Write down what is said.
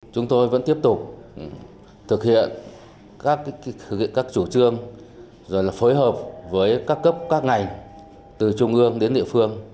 chúng tôi vẫn tiếp tục thực hiện các chủ trương phối hợp với các cấp các ngành từ trung ương đến địa phương